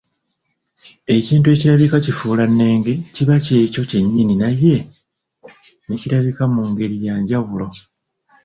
Ekintu ekirabika kifuulannenge kiba kyekyo kye nnyini naye ne kirabika mu ngeri ya njawulo